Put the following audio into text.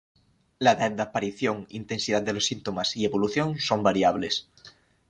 La edad de aparición, intensidad de los síntomas y evolución son variables.